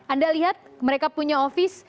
anda lihat mereka punya office